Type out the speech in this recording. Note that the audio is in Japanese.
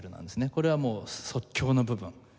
これはもう即興の部分。